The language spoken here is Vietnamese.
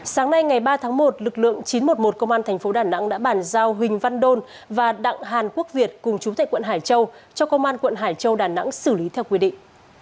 sáng nay ngày ba tháng một lực lượng chín trăm một mươi một công an thành phố đà nẵng đã bàn giao huỳnh văn đôn và đặng hàn quốc việt cùng chú tệ quận hải châu cho công an quận hải châu đà nẵng xử lý theo quy định